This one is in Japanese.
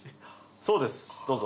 そうですどうぞ。